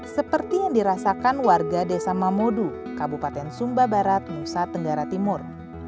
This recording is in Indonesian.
seperti yang dirasakan warga desa mamodu kabupaten sumba barat nusa tenggara timur